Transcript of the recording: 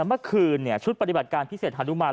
เมื่อคืนชุดปฏิบัติการพิเศษฮานุมาน